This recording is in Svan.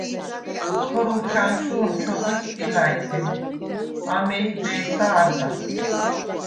ქორულთხა̈ნჩუ̄ნ ჩოღვე სტილა̈ჲთე, ამეი დე̄სა არდა.